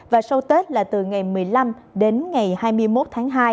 và sau tết là từ ngày một mươi năm đến ngày hai mươi một tháng hai